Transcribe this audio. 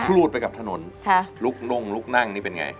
รูดไปกับถนนลุกน่งลุกนั่งนี่เป็นไง